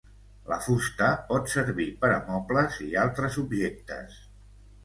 La fusta pot servir per a mobles i altres objectes.